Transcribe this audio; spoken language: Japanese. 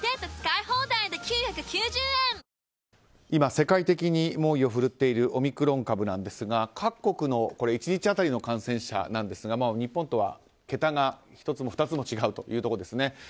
今、世界的に猛威を振るっているオミクロン株なんですが各国の１日当たりの感染者ですが日本とはケタが１つも２つも違うというところですね。